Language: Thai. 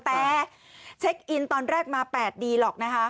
แต่เช็คอินตอนแรกมา๘ดีหรอกนะคะ